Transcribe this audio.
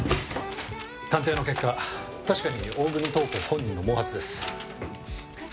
鑑定の結果確かに大國塔子本人の毛髪です。